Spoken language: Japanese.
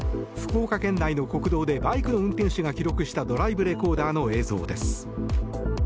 福岡県内の国道でバイクの運転手が記録したドライブレコーダーの映像です。